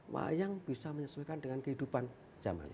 wayang bisa menyesuaikan dengan kehidupan zamannya